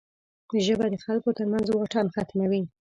ژبه د خلکو ترمنځ واټن ختموي